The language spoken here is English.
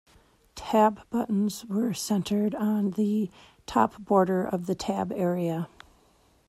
Tab buttons were centered on the top border of the tab area.